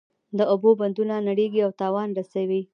د اوبو بندونه نړیږي او تاوان رسوي.